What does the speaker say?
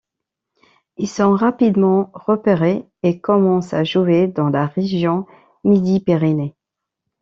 Ils sont rapidement repérés et commencent à jouer dans la région Midi-Pyrénées.